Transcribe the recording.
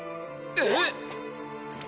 えっ？